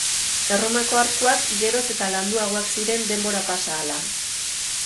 Erromako arkuak geroz eta landuagoak ziren denbora pasa ahala.